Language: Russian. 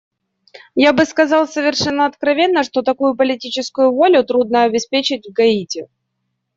Я бы сказал совершено откровенно, что такую политическую волю трудно обеспечить в Гаити.